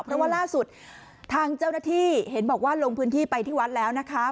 เพราะว่าล่าสุดทางเจ้าหน้าที่เห็นบอกว่าลงพื้นที่ไปที่วัดแล้วนะคะ